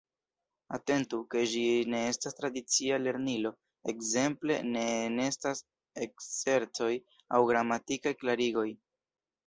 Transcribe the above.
Atentu, ke ĝi ne estas tradicia lernilo: ekzemple, ne enestas ekzercoj aŭ gramatikaj klarigoj.